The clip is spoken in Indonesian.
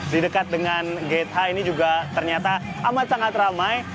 di dekat dengan gate h ini juga ternyata amat sangat ramai